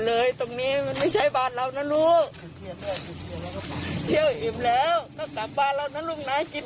กินข้าวแล้วกลับบ้านนะลูกแม่มารับแล้วป้ามารับแล้ว